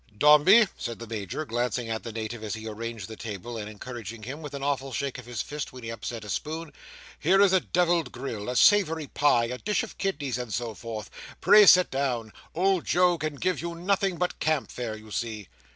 "Dombey," said the Major, glancing at the Native as he arranged the table, and encouraging him with an awful shake of his fist when he upset a spoon, "here is a devilled grill, a savoury pie, a dish of kidneys, and so forth. Pray sit down. Old Joe can give you nothing but camp fare, you see."